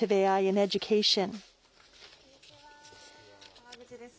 川口です